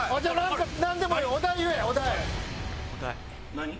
何？